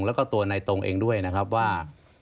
แล้วก็ตัวในตรงเองด้วยนะครับว่า